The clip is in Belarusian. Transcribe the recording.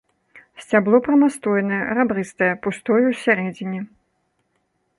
Сцябло прамастойнае, рабрыстае, пустое ў сярэдзіне.